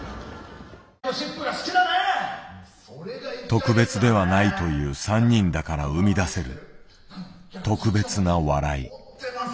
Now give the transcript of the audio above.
特別ではないという３人だから生み出せる特別な笑い。